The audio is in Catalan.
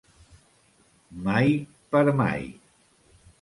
Mai per mai.